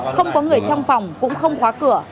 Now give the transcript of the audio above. không có người trong phòng cũng không khóa cửa